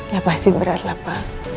ya pasti beratlah pa